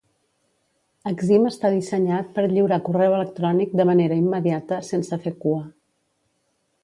Exim està dissenyat per lliurar correu electrònic de manera immediata, sense fer cua.